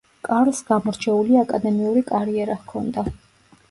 კარლს გამორჩეული აკადემიური კარიერა ჰქონდა.